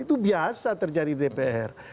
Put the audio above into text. itu biasa terjadi di dpr